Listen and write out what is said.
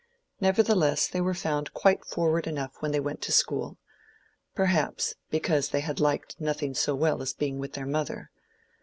Nevertheless, they were found quite forward enough when they went to school; perhaps, because they had liked nothing so well as being with their mother.